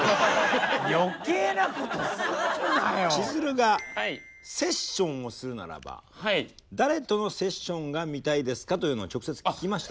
しずるがセッションをするならば誰とのセッションが見たいですかというのを直接聞きました。